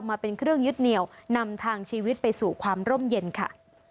มาเป็นเครื่องยึดเหนียวนำทางชีวิตไปสู่ความร่มเย็นค่ะ